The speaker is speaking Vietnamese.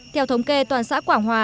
theo thống kê toàn xã quảng hòa